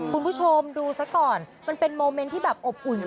คุณผู้ชมดูซะก่อนมันเป็นโมเมนต์ที่แบบอบอุ่น